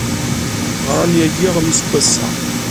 Ɣran yagi aɣmis n wass-a.